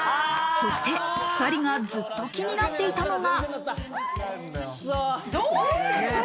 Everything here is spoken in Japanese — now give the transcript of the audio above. そして２人がずっと気になっていたのが。